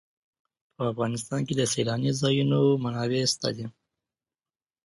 په افغانستان کې د سیلاني ځایونو منابع شته دي.